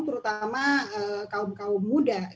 terutama kaum kaum muda